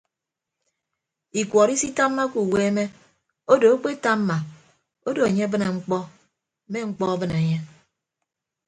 Ikuọt isitammake uweeme odo akpetamma odo enye abịne mkpọ me mkpọ abịne enye.